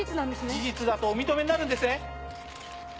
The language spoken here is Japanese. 事実だとお認めになるんですね？